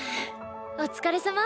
お疲れさま。